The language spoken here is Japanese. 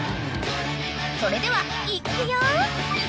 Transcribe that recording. ［それではいっくよ］